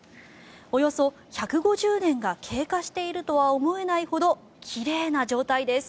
およそ１５０年が経過しているとは思えないほど奇麗な状態です。